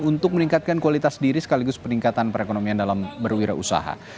untuk meningkatkan kualitas diri sekaligus peningkatan perekonomian dalam berwirausaha